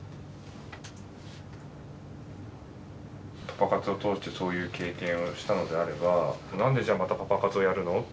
パパ活を通してそういう経験をしたのであれば何でじゃあまたパパ活をやるの？